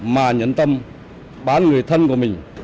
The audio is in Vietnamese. mà nhấn tâm bán người thân của mình